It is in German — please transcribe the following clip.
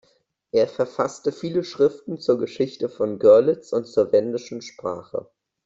Er verfasste viele Schriften zur Geschichte von Görlitz und zur wendischen Sprache.